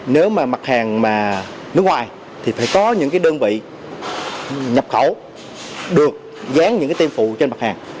nếu mà mặt hàng nước ngoài thì phải có những đơn vị nhập khẩu được dán những tiêm phụ trên mặt hàng